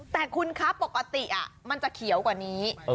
แต่คุณคะปกติมันจะเขียวกว่านี้